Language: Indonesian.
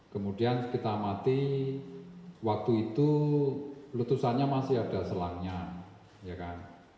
kemudian kita amati waktu itu letusannya masih ada selangnya ya kan